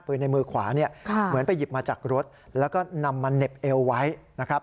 ในมือขวาเนี่ยเหมือนไปหยิบมาจากรถแล้วก็นำมาเหน็บเอวไว้นะครับ